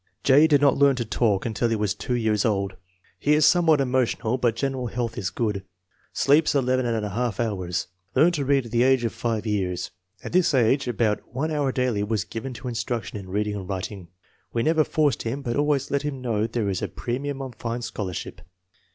J. did not learn to talk until he was 2 years old. He is somewhat emotional, but general health is good. Sleeps 11} hours. Learned to read at the age of 5 years. At this age about one hour daily was given to instruction in reading and writing. " We never forced him, but always let him know there is a premium on fine scholarship."